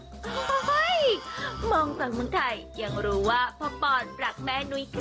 โอ้โหมองจากคนไทยยังรู้ว่าพ่อปอนรักแม่นุ้ย